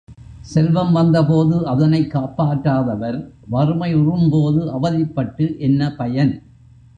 செல்வம் வந்தபோது அதனைக் காப்பாற்றாதவர் வறுமை உறும்போது அவதிப்பட்டு என்ன பயன்?